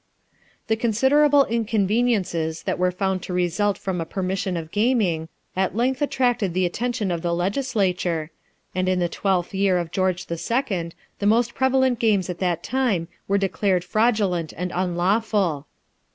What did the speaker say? The considerable inconveniences that were found to result from a per mission of gaming, at length attracted the attention of the legislature, and in the twelfth year of George II. the most prevalent games at that time were declared fraudulent and unlawful.